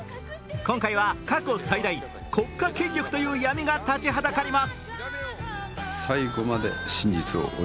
今回は過去最大、国家権力という闇が立ちはだかります。